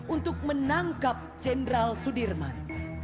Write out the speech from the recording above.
untuk menangkap jendral sudirman